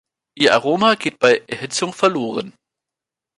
Ihr Aroma geht bei Erhitzung verloren.